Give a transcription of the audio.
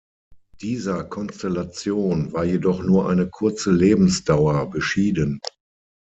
Dieser Konstellation war jedoch nur eine kurze Lebensdauer beschieden.